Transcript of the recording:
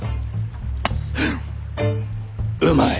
うまい。